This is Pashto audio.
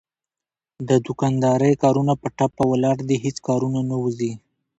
د دوکاندارۍ کارونه په ټپه ولاړ دي هېڅ کارونه نه وځي.